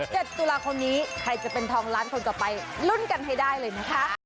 ๗ตุลาคมนี้ใครจะเป็นทองล้านคนต่อไปลุ้นกันให้ได้เลยนะคะ